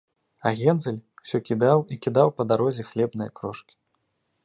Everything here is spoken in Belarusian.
А Гензель усё кідаў і кідаў па дарозе хлебныя крошкі